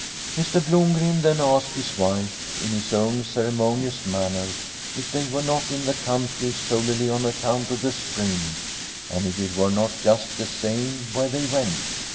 Mr. Blomgren then asked his wife in his own ceremonious manner if they were not in the coun try solely on account of the spring, and if it were not just the same where they went.